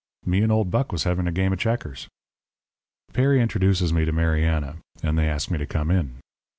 'Me and old Buck was having a game of checkers.' "Perry introduces me to Mariana, and they ask me to come in.